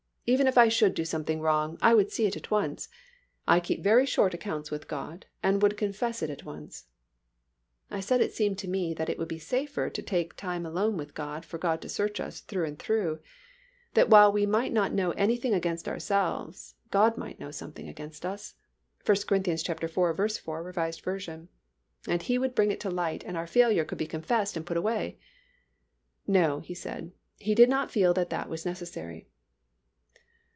Even if I should do something wrong, I would see it at once. I keep very short accounts with God, and I would confess it at once." I said it seemed to me as if it would be safer to take time alone with God for God to search us through and through, that while we might not know anything against ourselves, God might know something against us (1 Cor. iv. 4, R. V.), and He would bring it to light and our failure could be confessed and put away. "No," he said, "he did not feel that that was necessary."